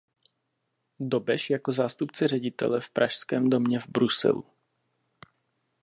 Dobeš jako zástupce ředitele v Pražském domě v Bruselu.